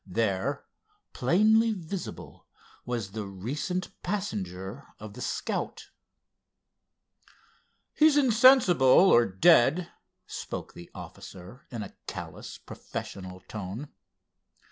There, plainly visible, was the recent passenger of the Scout. "He's insensible, or dead," spoke the officer in a callous, professional tone.